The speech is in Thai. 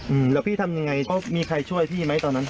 อืมแล้วพี่ทำยังไงมีใครช่วยพี่ไหมตอนนั้น